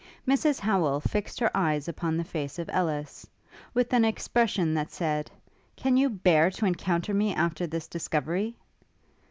Mrs Howel fixed her eyes upon the face of Ellis, with an expression that said, Can you bear to encounter me after this discovery?